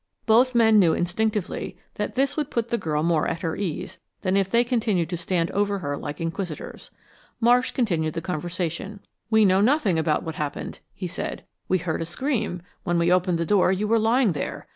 Both men knew instinctively that this would put the girl more at her ease than if they continued to stand over her like inquisitors. Marsh continued the conversation. "We know nothing about what happened," he said. "We heard a scream. When we opened the door you were lying there.